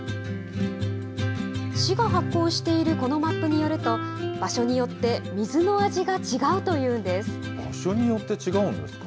市が発行しているこのマップによると、場所によって水の味が違う場所によって違うんですか？